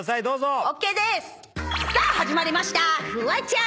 どうぞ！